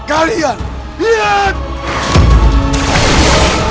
kau akan menang